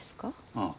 ああ。